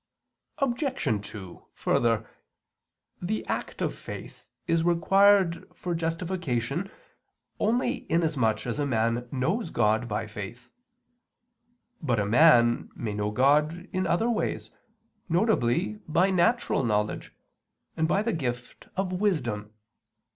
Obj. 2: Further, the act of faith is required for justification only inasmuch as a man knows God by faith. But a man may know God in other ways, viz. by natural knowledge, and by the gift of wisdom.